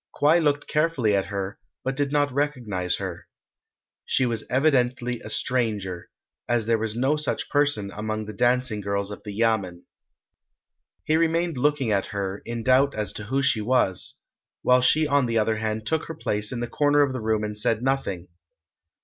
Kwai looked carefully at her, but did not recognize her. She was evidently a stranger, as there was no such person among the dancing girls of the yamen. He remained looking at her, in doubt as to who she was, while she on the other hand took her place in the corner of the room and said nothing.